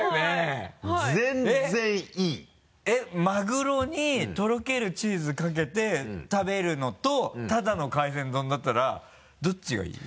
えっマグロにとろけるチーズかけて食べるのとただの海鮮丼だったらどっちがいい？